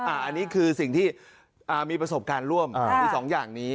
อันนี้คือสิ่งที่มีประสบการณ์ร่วมมี๒อย่างนี้